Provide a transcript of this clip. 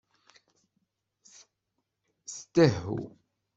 Tdehhu.